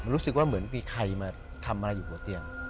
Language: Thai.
รู้สึกว่าเหมือนมีใครมาทำอะไรอยู่บนเตียง